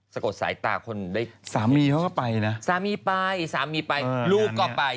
สะกดสายตาคนได้สามีเขาก็ไปนะสามีไปสามีไปลูกก็ไป